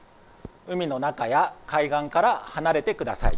海の中や海岸から離れてください。